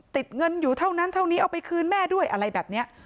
ติดเงินอยู่เท่านั้นเท่านี้เอาไปคืนแม่ด้วยอะไรแบบนี้